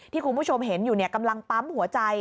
คุณผู้ชมเห็นอยู่กำลังปั๊มหัวใจ